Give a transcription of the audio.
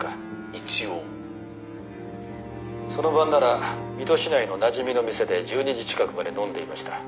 「一応」「その晩なら水戸市内のなじみの店で１２時近くまで飲んでいました」